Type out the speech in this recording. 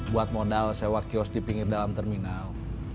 buat modal sewa kios di pinggir dalam terminal